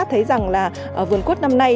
thì sẽ luôn tươi tốt